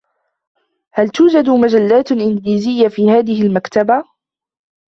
هل توجد مجلّاتٌ إنجليزيّة في هذه المكتبةِ؟